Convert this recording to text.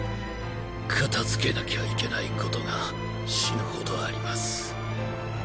片付けなきゃいけない事が死ぬ程あります。